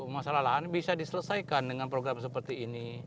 masalah lahan bisa diselesaikan dengan program seperti ini